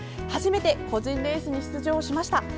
初めて個人レースに出場しました。